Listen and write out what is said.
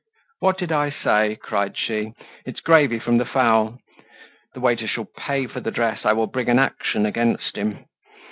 "What did I say?" cried she. "It's gravy from the fowl. The waiter shall pay for the dress. I will bring an action against him.